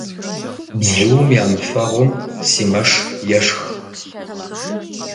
Бзум ямыфэгъум си мэш ешх.